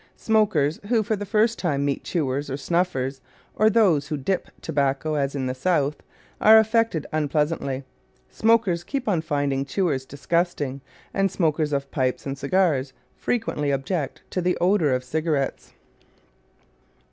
Smokers who for the first time meet chewers or snuffers or those who "dip" tobacco, as in the South, are affected unpleasantly. Smokers keep on finding chewers disgusting, and smokers of pipes and cigars frequently object to the odor of cigarettes.